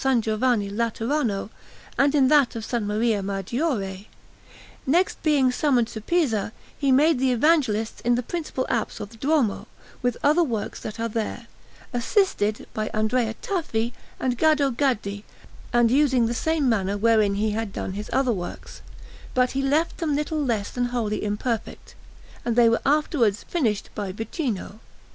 Giovanni Laterano, and in that of S. Maria Maggiore. Next, being summoned to Pisa, he made the Evangelists in the principal apse of the Duomo, with other works that are there, assisted by Andrea Tafi and by Gaddo Gaddi, and using the same manner wherein he had done his other works; but he left them little less than wholly imperfect, and they were afterwards finished by Vicino.